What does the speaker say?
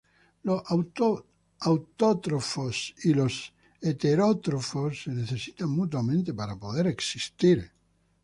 Los autótrofos y los heterótrofos se necesitan mutuamente para poder existir.